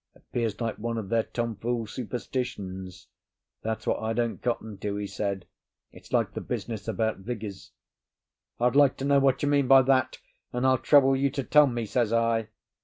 "Appears like one of their tomfool superstitions. That's what I don't cotton to," he said. "It's like the business about Vigours." "I'd like to know what you mean by that, and I'll trouble you to tell me," says I.